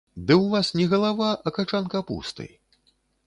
Ды ў вас не галава, а качан капусты.